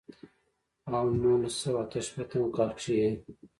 او نولس سوه اتۀ شپېتم کال کښې ئې